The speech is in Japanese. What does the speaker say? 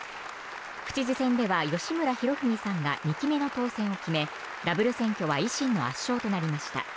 府知事選では吉村洋文さんが２期目の当選を決めダブル選挙は維新の圧勝となりました。